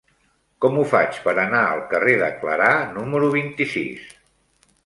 Com ho faig per anar al carrer de Clarà número vint-i-sis?